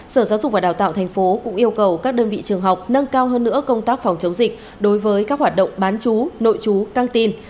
sở giáo dục và đào tạo thành phố cũng yêu cầu các đơn vị trường học nâng cao hơn nữa công tác phòng chống dịch đối với các hoạt động bán chú nội chú căng tin